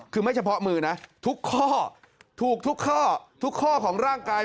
คือไม่เฉพาะมือนะทุกข้อถูกทุกข้อทุกข้อของร่างกาย